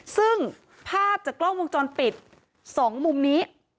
ซึ่งภาพจากกล้องวงจรปิด๒มุมนี้